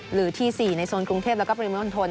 หรือที่๔ในโซนกรุงเทพฯแล้วก็ปริมาณอ่อนทน